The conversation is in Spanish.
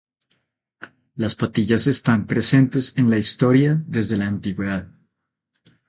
Las patillas están presentes en la historia desde la antigüedad.